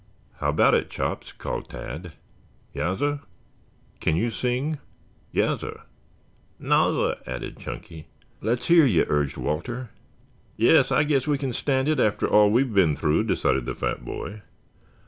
"How about it, Chops?" called Tad. "Yassir?" "Can you sing?" "Yassir." "Nassir," added Chunky. "Let's hear you," urged Walter. "Yes, I guess we can stand it after all we have been through," decided the fat boy.